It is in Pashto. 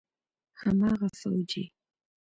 هماغه فوجي.